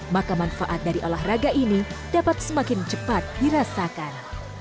maka manfaat dari olahraga ini dapat semakin cepat dirasakan